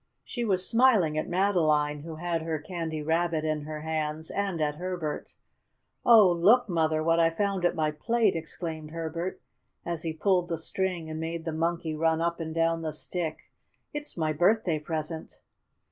She was smiling at Madeline, who had her Candy Rabbit in her hands, and at Herbert. "Oh, look, Mother, what I found at my plate!" exclaimed Herbert, and he pulled the string, and made the Monkey run up and down the stick. "It's my birthday present!"